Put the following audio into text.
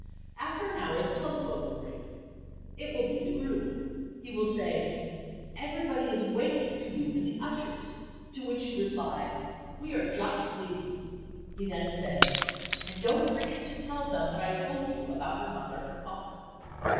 After an hour the telephone will ring. It will be the groom. He will say, "Everybody is waiting for you and the ushers," to which you reply, "We are just leaving." He then says, "And don't forget to tell them what I told you about her father and mother."